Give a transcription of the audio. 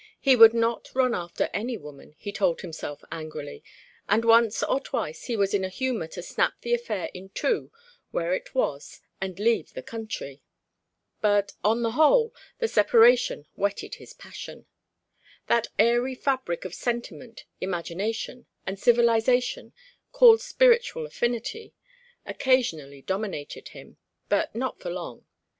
He would not run after any woman, he told himself angrily; and once or twice he was in a humour to snap the affair in two where it was and leave the country. But, on the whole, the separation whetted his passion. That airy fabric of sentiment, imagination, and civilisation called spiritual affinity, occasionally dominated him, but not for long.